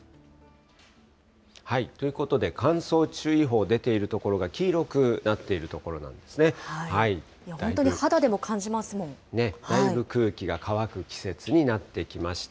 ということで、乾燥注意報出ている所が、黄色くなっている所なんですね。ね、だいぶ空気が乾く季節になってきました。